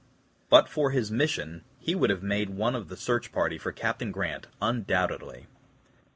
But for his mission he would have made one of the search party for Captain Grant, undoubtedly.